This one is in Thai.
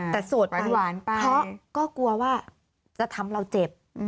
แต่โสดไปเพราะก็กลัวว่าจะทำเราเจ็บ